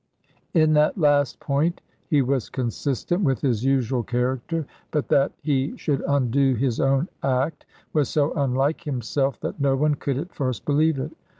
In that last point he was consistent with his usual character; but that he should undo his own act, was so unlike himself that no one could at first believe it.